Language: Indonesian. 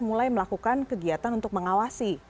mulai melakukan kegiatan untuk mengawasi